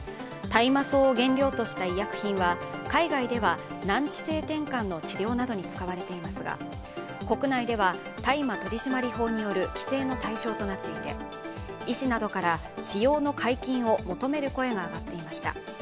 大麻草を原料とした医薬品は海外では難治性てんかんの治療などに使われていますが国内では大麻取締法による規制の対象となっていて医師などから使用の解禁を求める声が上がっていました。